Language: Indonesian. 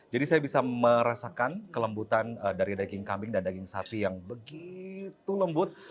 jadi saya bisa merasakan kelembutan dari daging kambing dan daging sapi yang begitu lembut